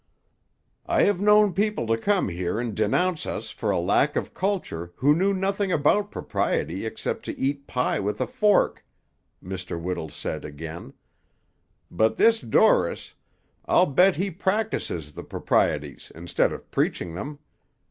"I have known people to come here and denounce us for a lack of culture who knew nothing about propriety except to eat pie with a fork," Mr. Whittle said again; "but this Dorris, I'll bet he practises the proprieties instead of preaching them.